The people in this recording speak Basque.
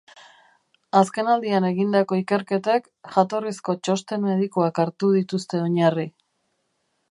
Azken aldian egindako ikerketek jatorrizko txosten-medikuak hartu dituzte oinarri.